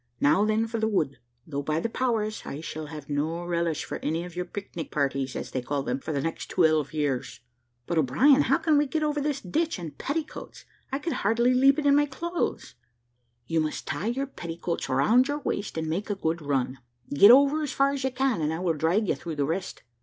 Now then for the wood, though, by the powers, I shall have no relish for any of your pic nic parties, as they call them, for the next twelve years." "But, O'Brien, how can I get over this ditch in petticoats? I could hardly leap it in my clothes." "You must tie your petticoats round your waist and make a good run; get over as far as you can, and I will drag you through the rest."